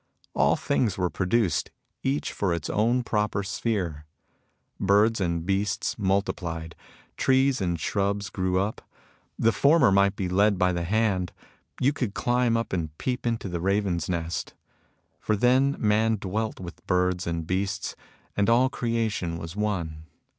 All things were produced, each for its own proper sphere. Birds a^ beasts multiplied ; trees and shrubs grew up^. The former might be led by the hand ; you could climb up and peep into the raven's nest. For then man dwelt with birds and beasts, and all creation was one.